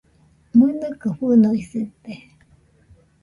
¡Mɨnɨka fɨnoisɨite!